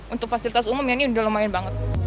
untuk fasilitas umum ya ini udah lumayan banget